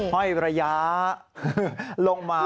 ห้อยระยะลงมา